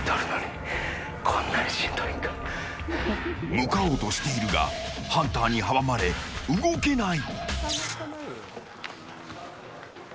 向かおうとしているがハンターに阻まれ動けない。